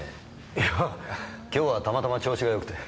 いやぁ今日はたまたま調子が良くて。